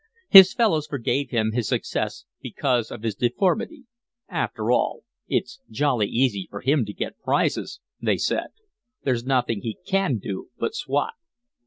His fellows forgave him his success because of his deformity. "After all, it's jolly easy for him to get prizes," they said, "there's nothing he CAN do but swat."